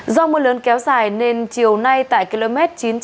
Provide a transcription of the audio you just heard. do mưa lớn kéo dài nên chiều nay tại km chín trăm linh năm sáu trăm linh